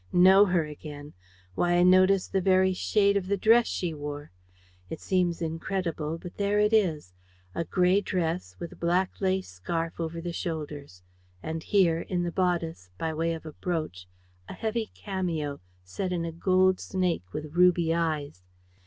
Know her again! Why, I noticed the very shade of the dress she wore! It seems incredible, but there it is. A gray dress, with a black lace scarf over the shoulders; and here, in the bodice, by way of a brooch, a heavy cameo, set in a gold snake with ruby eyes.